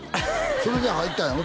それで入ったんやろ？